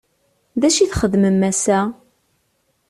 D acu i txedmem ass-a?